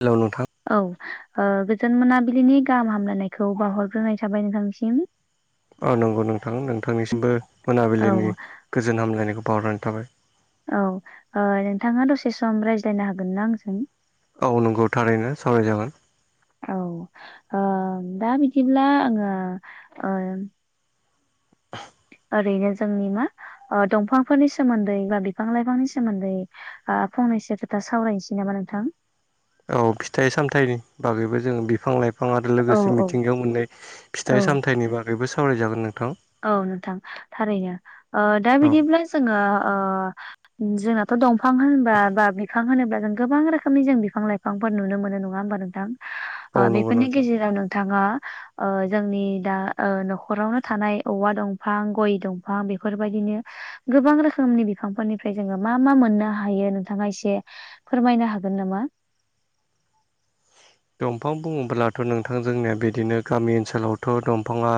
Hello नोंथां। औ ओ गोजोन मोनाबिलिनि गाहाम हामलायनायखौ बावहरग्रोनाय थाबाय नोंथांनिसिम। औ नंगौ नोंथां नोंथांनिसिमबो औ मोनाबिलिनि गोजोन हामलायनायखौ बावरनाय थाबाय। औ ओ नोंथाङा दसे सम रायज्लायनो हागोन ना आंजों? औ नंगौ थारैनो सावरायजागोन। औ ओ दा बिदिब्ला आङो ओ [inaudible] ओरैनो जोंनि मा ओ दंफांफोरनि सोमोन्दै बा बिफां लाइफांनि सोमोन्दै ओ फंनैसो खोथा सावरायनोसै नामा नोंथां। औ फिथाइ सामथाइनि बागैबो जोङो बिफां लाइफां आरो औ लोगोसे औ मिथिंगायाव मोननाय औ फिथाइ सामथायाइनि बागैबो सावरायजागोन नोंथां। औ नोंथां थारैनो दा औ बिदिब्ला जोङो ओ जों थ' दंफां होनोबा बा बिफां होनोब्ला जों गोबां रोखोमनि जों बिफां लाइफांफोर नुनो मोनो नङा होमबा नोंथां। औ ओ नंगौ बेफोरनि नोंथां गेजेराव नोंथाङा ओ जोंनि दा ओ न'खरावनो थानाय औवा दंफां गय दंफां बेफोरबायदिनो गोबां रोखोमनि बिफांफोरनिफ्राय जोङो मा मा मोननो हायो नोंथाङा एसे फोरमायनो हागोन नामा। दंफां बुङोब्लाथ' नोंथां जोंनिया बिदिनो गामि ओनसोलावथ' दंफाङा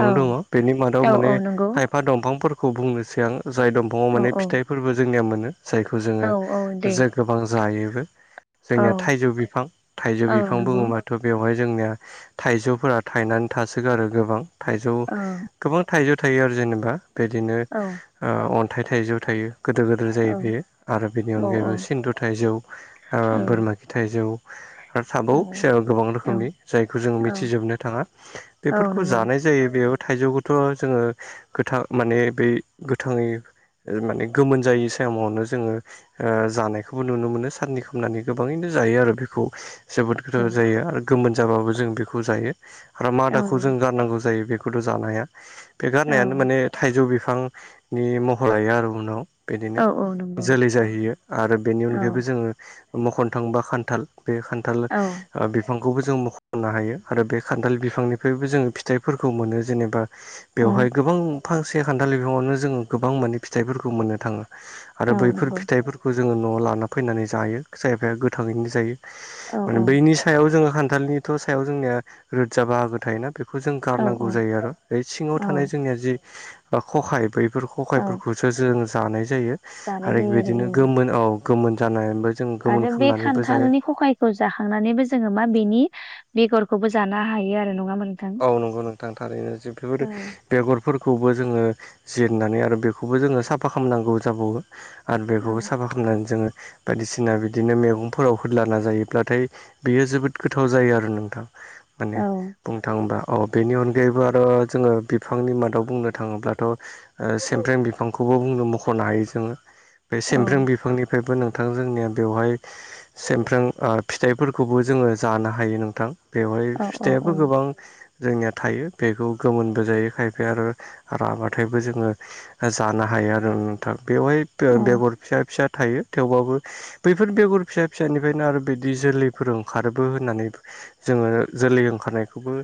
औ दङ बेनि औ मादाव औ माने नंगौ खायफा दंफांफोरखौ बुंनोसै आं जाय दंफाङाव औ माने औ फिथाइ फोरबो जोंनिया मोनो जायखौ औ जोङो औ दे जे गोबां जायोबो औ जोंनिया थाइजौ बिफां थाइजौ औ बिफां नंगौ बुङोबाथ' बेवहाय जोंनिया थाइजौफोरा थायनानै थासोगारो गोबां थाइजौ औ गोबां थाइजौ थायो आरो जेनेबा बेदिनो औ ओ अन्थाइ थाइजौ थायो। गोदोर गोदोर जायो औ बेयो आरो बेनि औ अनगायैबो सिन्दु थाइजौ ओ औ बोरमा फि थाइजौ आरो थाबावो औ फिसा गोबां औ रोखोमनि जायखौ जोङो औ मिथिजोबनो थाङा। औ बेफोरखौ नंगौ जानाय जायो बेयाव थाइजौखौथ' जोङो गोथां माने बै गोथाङै माने गोमोन जायै समावनो जोङो ओ जानायखौबो नुनो मोनो सारनि खालामनानै गोबाङैनो जायो आरो बेखौ जोबोद औ गोथाव जायो आरो गोमोन जाबाबो जों बेखौ जायो आरो औ मादाखौ जों गारनांगौ जायो बेखौ। बेखौथ' जानो हाया बे औ गारनायानो माने थाइजौ बिफांनि महर लायो आरो उनाव। औ बिदिनो औ नंगौ जोलै जाहैयो आरो बेनि औ अनगायैबो जोङो मखनो थांबा खान्थाल बे खान्थाल औ बिफांखौबो जों मख'नो हायो आरो बे खान्थाल बिफांनिफ्रायबो जोङो फिथाइफोरखौ मोनो जेनेबा औ बेवहाय गोबां फांसे खान्थाल बिफाङावनो जोङो गोबां माने फिथाइफोरखौ मोननो थाङो। औ आरो बैफोर नंगौ फिथाइफोरखौ जोङो न'आव लाना फैनानै जायो खायफाया गोथाङैनो जायो। औ औ माने बैनि सायाव जोङो खान्थालनिथ' सायाव जोंनिया रोदजा बाहागो थायोना बे बेखौ जों औ गारनांगौ जायो आरो सिङाव औ थानाय जोंनिया जि ख'खाय बै बेफोर औ खखायफोरखौसो जों जानाय जायो आरो बिदिनो गोमोन औ गोमोन जानाय ओमफाय आरो बे खान्थालनि खखाय खौ जाखांनानैबो जोङो मा बेनि बेगरखौबो जानो हायो आरो नङा ओमबा नों औ नंगौ नोंथां थारैनो जोबोर बेगरफोरखौबो जोङो जिरनानै आरो बेखौबो जोङो साफा खामनांगौ जाबावो। आरो बेखौबो औ साफा खामनानै जोङो बायदिसिना बिदिनो मेगंफोराव होदलाना जायोब्लाथाय बियो जोबोद गोथाव जायो आरो नोंथां। औ माने थाङोब्ला अ बेनि अनगायैबो आरो जोङो बिफांनि मादाव बुंनो थाङोब्लाथ' ओ सेमफ्रेम बिफांखौबो बुंनो मख'नो हायो जोङो बे औ सेमफ्रेम बिफांनि बेबो नोंथां जोंनिया बेवहाय सेमफ्रें ओ फिथाइफोरखौबो जोङो जानो हायो नोंथां। बेवहाय औ औ फिथाइआबो गोबां जोंनिया थायो बेखौ गोमोनबो जायो खायफाया आरो राबाथायबो जोङो जानो हायो आरो नोंथां बेवहाय बेगर फिसा फिसा थायो। थेवबाबो बैफोर बेगर फिसा फिसानिफायनो आरो बिदि जोलैफोर ओंखारोबो होननानै जोङो जोलै ओंखारनायखोबो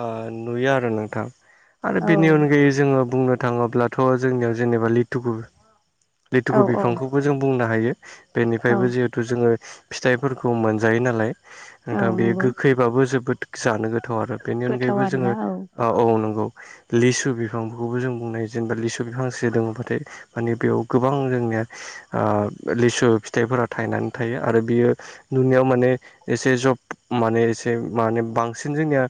ओ नुयो आरो नोंथां आरो बेनि अनगायै जोङो बुंनो थाङोब्ला थ' जोंनियाव जेनेबा लिटुकु औ लिटुरु बिफांखौबो जों बुंनो हायो। औ बेनिफायबो जिहेथु जोङो फिथाइफोरखौ मोनजायो नालाय नोंथां औ बेयो नंगौ गोखैबाबो जोबोद जानो गोथाव आरो बेनि गोथाव अनगायैबो आरोना जोङो औ औ नोंगौ लिसु बिफांखौबो जों बुंनो हायो जेनेबा लिसु बिफां फांसे दङब्लाथाय माने बेयाव गोबां जोंनिया ओ लिसु फिथाइफोरा थायनानै थायो आरो बियो नुनायाव माने एसे जब माने एसे माने बांसिन जोंनिया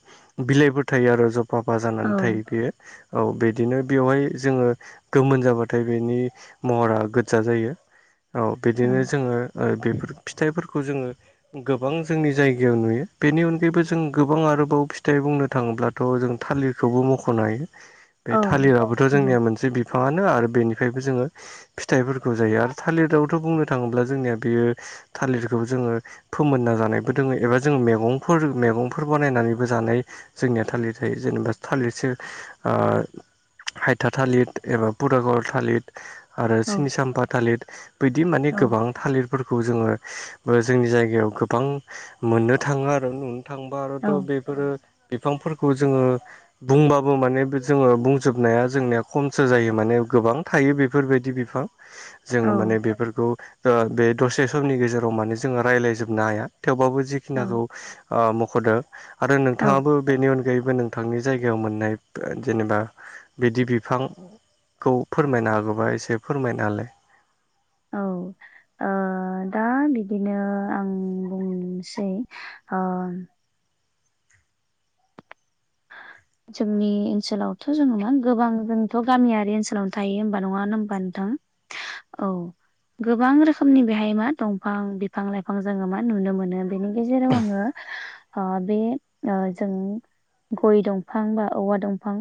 बिलाइफोर थायो आरो जफाफा औ जानानै थायो बेयो औ बिदिनो बेवहाय जोङो गोमोन जाबाथाय बेनि महरा गोज्जा जायो। औ औ बिदिनो जोङो ओ बेफोर फिथाइफोर खौ जोङो गोबां जोंनि जायगायाव नुयो बेनि अनगायैबो जों गोबां आरोबाव फि फिथाइ बुंनो थाङोब्लाथ' जों थालिरखौबो मख'नो हायो औ बे थालिरआबोथ' नंगौ जोंनिया मोनसे बिफाङानो आरो बेनिफ्रायबो जोङो फिथाइफोरखौ जायो आरो थालिरावथ' बुंनो थाङोब्ला जोंनिया बेयो थालिरखौ जोङो फोमोनना जानायबो दोङो एबा जो मेगंफोर मेगंफोर बानायनानैबो जानाय जोंनिया थालिर थायो जेनेबा थालिरसो ओ हायथा थालिद एबा पुरागर थालिर आरो औ सिनिसाम्फा थालिर बिदि माने औ गोबां थालिरफोरखौ जोङो ओ जोंनि जायगायाव गोबां मोननो थाङो आरो नुनो थांबा औ आरोथ' बेफोरो बिफांफोरखौ जोङो बुंबाबो माने जोङो बुंजोबनाया जोंनियाव खमसो जायो माने गोबां थायो बेफोरबायदि बिफां जोङो माने बेफोरखौ बे दसे समनि गेजेराव माने जोङो रायज्लायजोबनो हाया थेवबाबो औ जखिनिखौ ओ मख'दों आरो औ नोंथाङाबो बेनि अनगायैबो नोंथांनि जायगायाव मोननाय जेनेबा बिदि बिफां खौ फोरमायनो हागौबा एसे फोरमायनालाय। औ दा बिदिनो आं बुंनोसै जोंनि ओनसोलावथ' जोङो मा गोबां जोंथ' गामियारि ओनसोलावनो थायो होबा नङा होन होनोमबा नोंथां? औ गोबां रोखोमनि बेहाय मा दंफां बिफां लाइफां जोङो मा नुनो मोनो। बेनि गेजेराव आङो ओ बे जों गय दं फां बा औवा दंफां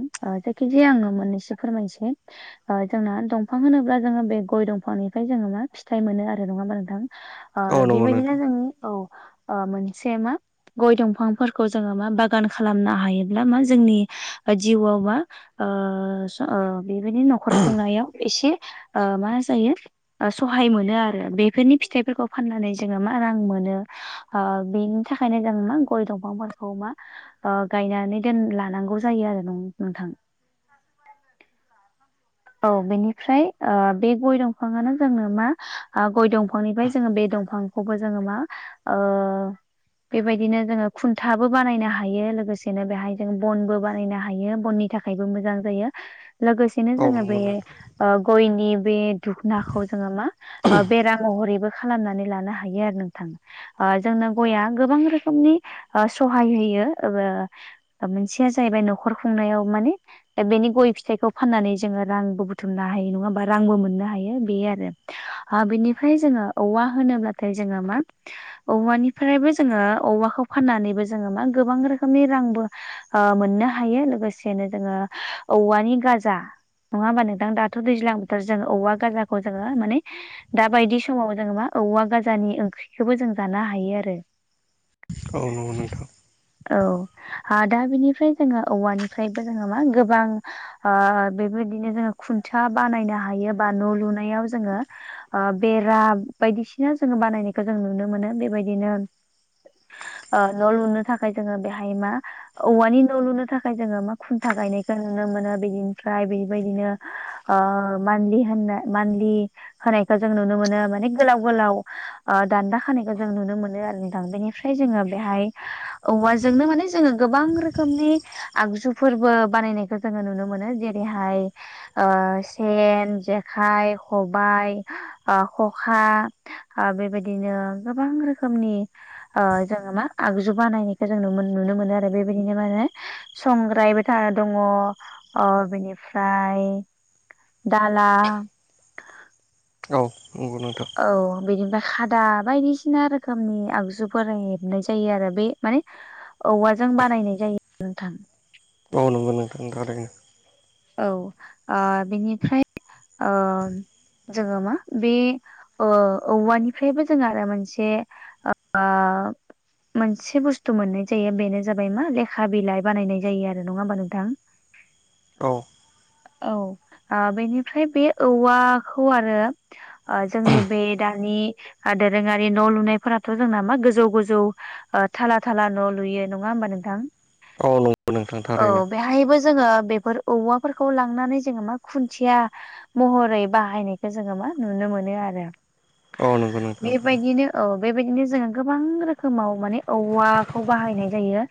जायखिजाया आङो मोननैसो फोरमायनोसै। ओ जोंना दंफां होनोब्ला जोङो बे गय दंफांनिफ्राय जोङो मा फिथाइ मोनो आरो नङा होनमबा औ नोंथां। नंगौ बेबायदिनो नोंथां जोंनि औ। मोनसे मा गय दंफांफोरखौ जोङो मा बागान खालामनो हायोब्ला मा जोंनि जिउआव बा ओ ओ बेबायदि न'खर खुंनायाव एसे मा ओ जायो ओ सहाय मोनो आरो बेफोरनि फिथाइफोरखौ फाननानै जोङो मा रां मोनो। ओ बेनि थाखायनो जों मा गय दंफांफोरखौ मा ओ गायनानै टेन लानांगौ जायो आरो नोंथां। औ बेनिफ्राय ओ बे गय दंफाङानो जोंनो मा गय दंफांनिफ्राय जोङो बे दंफां खौबो जोङो मा ओ बेबायदिनो जोङो खुन्थाबो बानायनो हायो लोगोसेनो बेहाय जों बनबो बानायनो हायो बननि थाख खायबो मोजां जायो लोगोसेनो औ जोङो बे नंगौ नोंथां ओ गयनि बे दुखुनाखौ जोङो मा बेरा महरैबो खालामनानै लानो हायो आरो नोंथाङा। ओ जोंनो गयाआ गोबां रोखोमनि सहाय होयो। दा मोनसेया जाहैबाय न'खर खुंनायाव माने दा बेनि गय फिथाइखौ फाननानै जोङो रांबो बुथुमनो हायो नङाबा रांबो मोननो हायो बे आरो ओ बिनिफ्राय जोङो औवा होनोब्लाथाय जोङो मा औवानिफ्रायबो जोङो औवाखौ फाननानैबो जोङो मा गोबां रोखोमनि रांबो ओ मोननो हायो लोगोसेनो जोङो औवानि गाजा नङा होमबा नोंथां दाथ' दैज्लां बोथोर जोङो औवा गाजाखौ जोङो माने दा बायदि समाव जोङो मा औवा गाजानि ओंख्रिखौबो जों जानो हायो आरो औ नंगौ नोंथां। औ आ दा बिनिफ्राय जोङो औवानिफ्रायबो जोङो मा गोबां ओ बेबायदिनो जोङो खुन्थिया बानायनो हायो बा न' लुनायाव जोङो ओ बेरा बायदिसिना जोङो बानायनायखौ जों नुनो मोनो बेबायदिनो अ न' लुनो थाखाय जोङो बेहाय मा औवानि न' लुनो थाखाय जोङो मा खुन्था गायनायखौ नुनो मोनो बिदि फ्राय बेबायदिनो ओ मान्थलि होननो मान्थलि होनायखौ जों नुनो मोनो माने गोलाव गोलाव ओ दान्दा होनायखौ जों नुनो मोनो आरो नोंथां फ्राय जोङो बेहाय औवाजोंनो माने जोङो गोबां रोखोमनि आगजु फोरबो बानायनायखौ जोङो नुनो मोनो जेरैहाय ओ सेन जेखाइ खबाइ ओ खखा ओ बेबायदिनो गोबां रोखोमनि ओ जोङो मा आगजु बानायनायखौ जों नुनो मोनो आरो बेबायदिनो मा होने संग्रायबो था दङ अ बिनिफ्राय दाला औ नंगौ नोंथां औ बेनिफ्राय खादा बायदिसिना रोखोमनि आगजुफोरा हेबनाय जायो आरो बे माने औवाजों बानायनाय जायो नोंथां औ नोंगौ नोंथां थारैनो औ ओ बिनिफ्राय ओ जोङो मा बे ओ औवानिफ्रायबो जों आरो मोनसे ओ मोनसे बुस्थु मोननाय जायो बेनो जाबाय मा लेखा बिलाइ बानायनाय जायो आरो नङा होमबा नोंथां औ औ आ बेनिफ्राय बे औवाखौ आरो ओ जोंनि बे दानि ओ दोरोङारि न' लुनायफोराथ' जोंना मा गोजौ गोजौ ओ थाला थाला न' लुयो नङा होमबा नोंथां? औ नंगौ नोंथां औ थारैनो बेहायबो जोङो बेफोर औवाफोरखौ लांनानै जोङो मा खुन्थिया महरै बाहायनायखौ जोङो मा नुनो मोनोआरो औ नंगौ नोंथां थारैनो बेबायदिनो औ बेबायदिनो जोङो गोबां रोखोमाव माने औवाखौ बाहायनाय जायो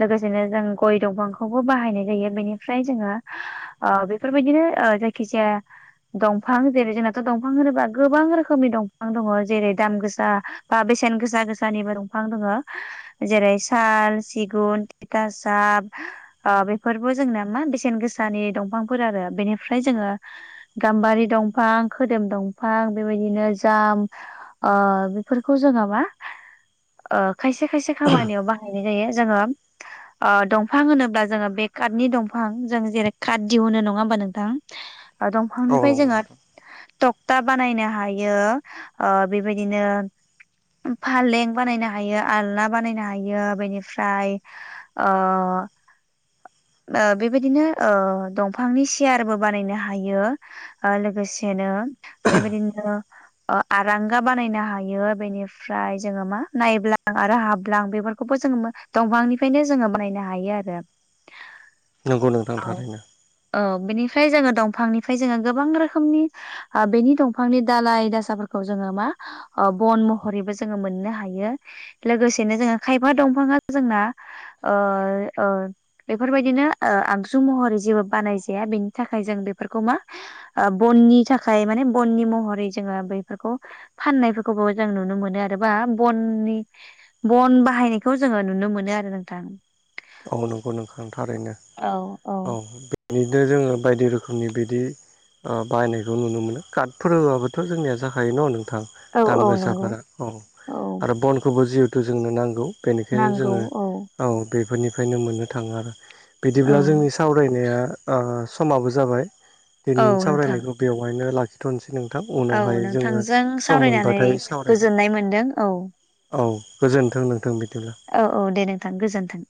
लोगोसेनो जों गय दंफांखौबो बाहायनाय जायो बेनिफ्राय जोङो ओ बेफोरबायदिनो ओ जायखिजाया दंफां जेरै जोंनाथ' दंफां होनोबा गोबां रोखोमनि दंफां दङ जेरै दाम गोसा बा बेसेन गोसा गोसानिबो दंफां दोंङो जेरै साल, सिगुन, थिथासाब ओ बेफोरबो जोंना मा बेसेन गोसानि दंफांफोर आरो बेनिफ्राय जोङो गाम्बारि दंफां, खोदोम दंफां बेबायदिनो जाम ओ बेफोरखौ जोङो मा ओ खायसे खायसे खामानियाव बाहायनाय जायो जोङो ओ दंफां होनोब्ला जोङो बे काटनि दंफां जों जेरै काट दिहुनो नङा होमबा नोंथां ओ औ नंगौ दंफांनिफ्राय जोङो नोंथां टक्था बानायनो हायो ओ बेबायदिनो फालें बानायनो हायो आलना बानायनो हायो बेनिफ्राय ओ ओ बेबायदिनो ओ दंफांनि सियारबो बानायनो हायो ओ लोगोसेनो बेबायदिनो आरांगा बानायनो हायो बेनिफ्राय जोङो मा नायब्लां आरो हाब्लां बेफोर बे खौबो जोङो दंफांनिफ्रायनो जोङो बानायनो हायो आरो नंगौ नोंथां औ थारैनो औ बिनिफ्राय जोङो दंफांनिफ्राय जोङो गोबां रोखोमनि ओ बेनि दंफांनि दालइ दासाफोरखौ जोङो मा ओ बन महरैबो जोङो मोननो हायो लोगोसेनो जोङो खायफा दंफाङा जोंना ओ ओ बेफोरबायदिनो ओ आग जु महरै जेबो बानायजाया बेनि थाखाय जों बेफोरखौ मा ओ बननि थाखाय माने बननि महरै जोङो बैफोरखौ फाननायफोरखौबो जों नुनो मोनो आरो बा बननि बन बाहायनायखौ जोङो नुनो मोनोआरो नोंथां औ नंगौ नोंथां थारैनो औ बिदिनो जोङो बायदि रोखोमनि बिदि बाहायनायखौ नुनो मोनो कार्डफोर होबाबोथ' जोंनिया जाखायो न' नोंथां औ दाम औ नंगौ गोसाफोरा औ औ आरो बनखौबो जिहेथु जोंनो नांगौ बेनिखायनो जोङो औ बेफोरनिफ्रायनो मोननो थाङो आरो औ बिदिब्ला जोंनि सा सावरायनाया ओ समाबो जाबाय औ दिनै नोंथां सावरायनायखौ बेवहायनो लाखि थ'नोसै नोंथां औ उनावहाय जोङो नोंथांजों सम सावरायनानै मोनबाथाय सावरायगोन गोजोननाय मोनदों औ औ गोजोन्थों नोंथों बिदिब्ला। औ औ दे नोंथां गोजोन्थों।